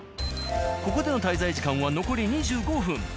ここでの滞在時間は残り２５分。